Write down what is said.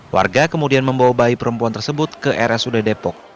warga kemudian membawa bayi perempuan tersebut ke rsud depok